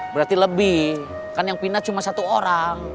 berarti lebih kan yang pindah cuma satu orang